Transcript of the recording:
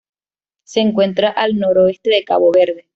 Se encuentra al noroeste de Cabo Verde.